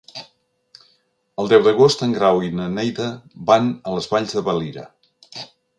El deu d'agost en Grau i na Neida van a les Valls de Valira.